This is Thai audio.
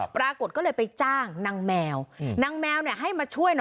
ปรากฏก็เลยไปจ้างนางแมวนางแมวให้มาช่วยหน่อย